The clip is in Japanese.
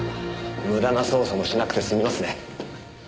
無駄な捜査もしなくて済みますね。